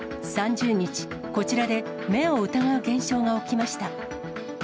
３０日、こちらで目を疑う現象が起きました。